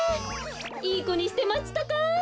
いいこにしてまちたか？